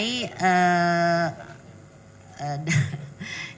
jadi mungkin saya mau menjelaskan